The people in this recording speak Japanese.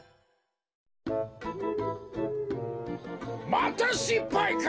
・またしっぱいか！